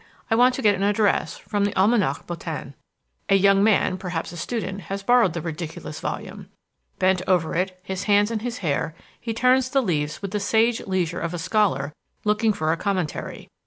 I want to get an address from the Almanach Bottin. A young man, perhaps a student, has borrowed the ridiculous volume. Bent over it, his hands in his hair, he turns the leaves with the sage leisure of a scholar looking for a commentary.